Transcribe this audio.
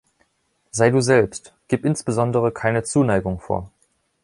Sei du selbst. Gib insbesondere keine Zuneigung vor.